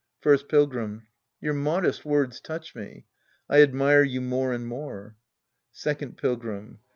First Pilgrim. Your modest words touch me. I admire you more and more. Second Pilgrim.